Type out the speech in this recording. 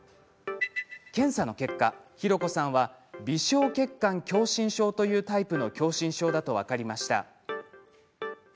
検査の結果、ひろこさんは微小血管狭心症というタイプの狭心症だと分かりました。